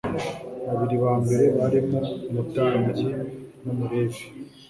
Babiri ba mbere barimo umutambyi n'Umulevi